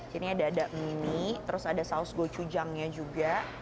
di sini ada mie mie terus ada saus gochujangnya juga